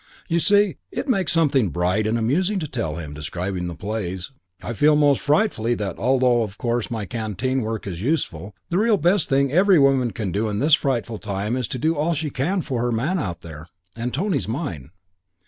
You see, it makes something bright and amusing to tell him, describing the plays. I feel most frightfully that, although of course my canteen work is useful, the real best thing every woman can do in this frightful time is to do all she can for her man out there; and Tony's mine.